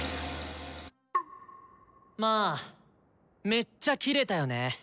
まあめっちゃキレたよね。